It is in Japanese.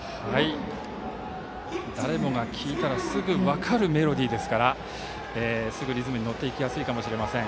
誰もが聴いたらすぐに分かるメロディーですからすぐリズムに乗っていきやすいかもしれません。